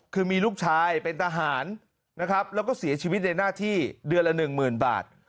คือมีลูกชายเป็นทหารนะครับแล้วก็เสียชีวิตในหน้าที่เดือนละหนึ่งหมื่นบาท